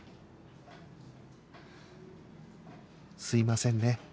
すいませんね。